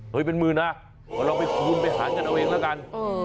เฮ้ยเป็นมือนะเราไปคูณไปหันกันเอาเองแล้วกัน